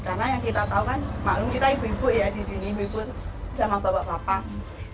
karena yang kita tahu kan maklum kita ibu ibu ya di sini ibu ibu sama bapak bapak